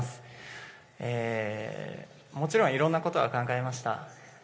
もちろんいろんなことは考えました。